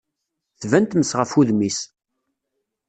Tban tmes ɣef wudem-is.